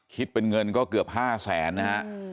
คิดเป็นเงินก็เกือบ๕แสนนะฮะ